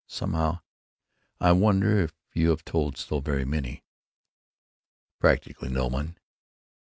Somehow——I wonder if you have told so very many?" "Practically no one."